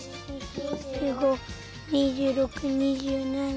２５２６２７。